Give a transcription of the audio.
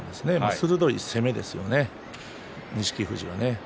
鋭い攻めですよね、錦富士はね。